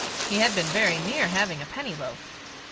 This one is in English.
He had been very near having a penny loaf.